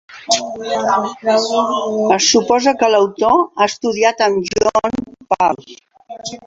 Se suposa que l'autor ha estudiat amb John Pagus.